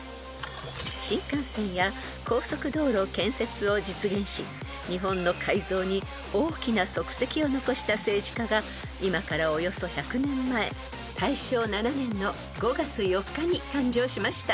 ［新幹線や高速道路建設を実現し日本の改造に大きな足跡を残した政治家が今からおよそ１００年前大正７年の５月４日に誕生しました］